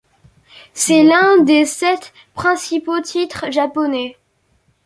C'est l'un des sept principaux titres japonais.